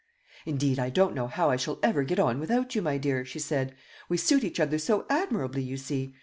"Indeed, I don't know how I shall ever get on without you, my dear," she said; "we suit each other so admirably, you see.